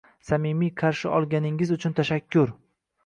Samimiy qarshi olganingiz uchun tashakkur.